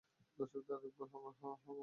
দর্শকদের আরেকবার অবাক হবার পালা।